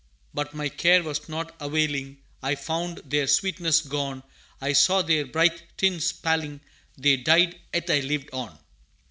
But my care was not availing; I found their sweetness gone; I saw their bright tints paling; They died; yet I lived on.